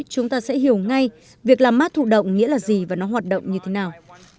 chúng ta sẽ hiểu ngay việc làm mát thụ động nghĩa là gì và nó hoạt động như thế nào